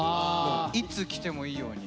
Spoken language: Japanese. いつ来てもいいように。